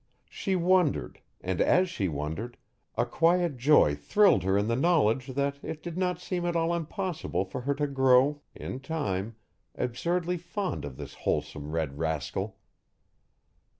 She wondered, and as she wondered, a quiet joy thrilled her in the knowledge that it did not seem at all impossible for her to grow, in time, absurdly fond of this wholesome red rascal.